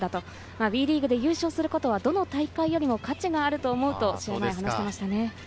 ＷＥリーグで優勝することはどの大会よりも価値があると思うと話していました。